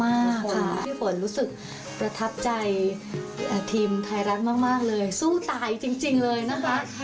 มากเลยทุกคนที่ผมรู้สึกประทับใจทีมไทยรัฐมากเลยสู้ตายจริงเลยนะครับ